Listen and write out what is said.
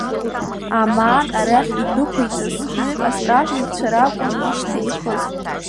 Амаан арахь идәықәиҵаз хәҩык астражникцәа ракәын ишьҭа ихыз.